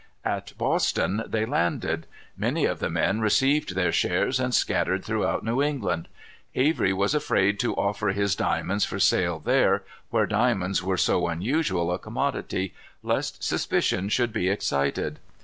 At Boston they landed. Many of the men received their shares, and scattered throughout New England. Avery was afraid to offer his diamonds for sale there, where diamonds were so unusual a commodity, lest suspicion should be excited.